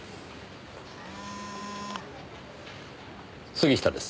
杉下です。